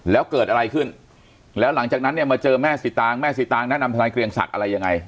แล้วเกิดอะไรขึ้นแล้วหลังจากนั้นเนี่ยมาเจอแม่สีตางแม่สีตางแนะนำทนายเกรียงศักดิ์อะไรยังไง